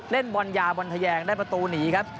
เล่นบอลยาบอลทะแยงได้ประตูหนีครับ